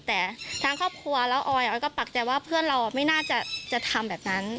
แต่ทางครอบครัวแล้วออยออยก็ปักใจว่าเพื่อนเราไม่น่าจะทำแบบนั้น